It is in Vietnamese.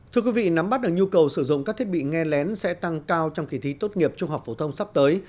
thưa quý vị nắm bắt được nhu cầu sử dụng các thiết bị nghe lén sẽ tăng cao trong kỳ thi tốt nghiệp trung học phổ thông sắp tới